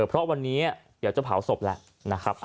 เพราะวันนี้เดี๋ยวจะเผาศพแล้วนะครับ